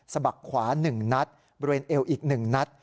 บักขวา๑นัดบริเวณเอวอีก๑นัด